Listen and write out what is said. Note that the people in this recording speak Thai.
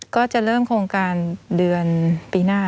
ก็จะเริ่มโครงการเดือนปีหน้า